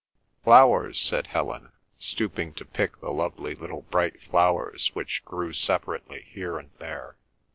"Flowers," said Helen, stooping to pick the lovely little bright flowers which grew separately here and there.